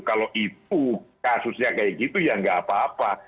kalau itu kasusnya kayak gitu ya nggak apa apa